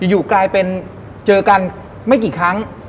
อยู่กลายเป็นเจอกันไม่กี่ครั้ง